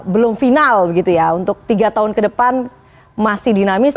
belum final begitu ya untuk tiga tahun ke depan masih dinamis